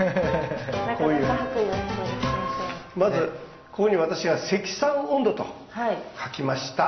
まずここに私が「積算温度」と書きました。